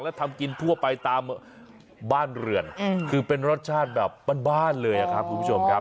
แล้วทำกินทั่วไปตามบ้านเรือนคือเป็นรสชาติแบบบ้านเลยครับคุณผู้ชมครับ